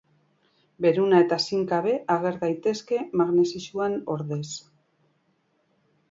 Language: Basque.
Beruna eta zinka ere ager daitezke magnesioaren ordez.